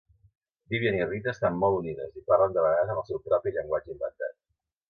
Vivian i Rita estan molt unides i parlen de vegades en el seu propi llenguatge inventat.